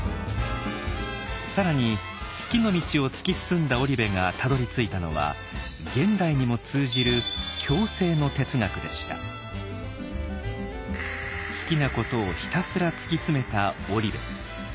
更に数寄の道を突き進んだ織部がたどりついたのは現代にも通じる好きなことをひたすら突き詰めた織部。